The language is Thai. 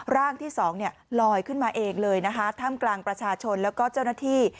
ร่างที่สองเนี่ยลอยขึ้นมาเองเลยนะคะถ้ำกลางประชาชนแล้วก็เจ้าหน้าที่